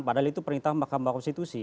padahal itu perintah mahkamah konstitusi